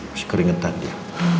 harus keringetan dia